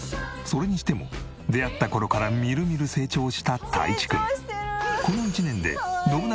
それにしても出会った頃からみるみる成長したたいちくん。